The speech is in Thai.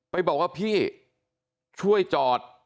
ไปบอกว่าพี่ช่วยจอด